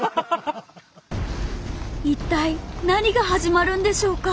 一体何が始まるんでしょうか？